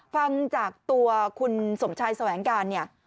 ฟังจากตัวคุณสมชายแสวงการเนี่ย